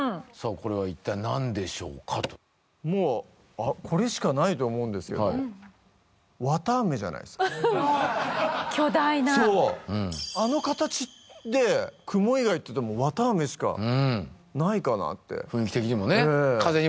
これは一体何でしょうかともうこれしかないと思うんですけど巨大なそうあの形で雲以外っていっても綿あめしかないかなってうん雰囲気的にもねええ